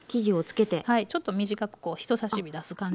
はいちょっと短く人さし指出す感じで。